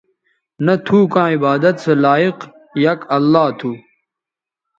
نہ تھو کاں عبادت سو لائق یک اللہ تھو